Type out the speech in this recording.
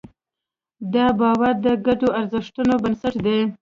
دا باور د ګډو ارزښتونو بنسټ دی.